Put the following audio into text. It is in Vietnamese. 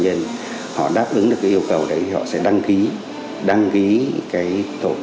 nhưng cũng đảm bảo tính nhân văn